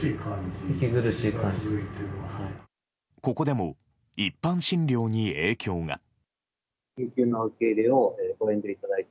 ここでも、一般診療に影響が。